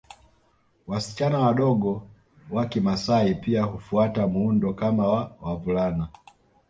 Wasichana wadogo wa kimaasai pia hufata muundo kama wa wavulana